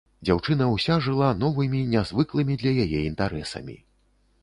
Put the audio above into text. Дзяўчына ўся жыла новымі нязвыклымі для яе інтарэсамі.